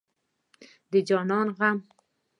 د جانان غمه